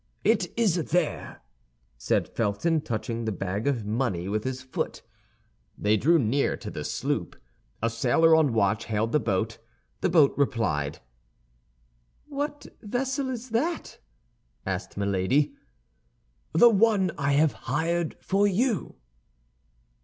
"It is there," said Felton, touching the bag of money with his foot. They drew near to the sloop. A sailor on watch hailed the boat; the boat replied. "What vessel is that?" asked Milady. "The one I have hired for you."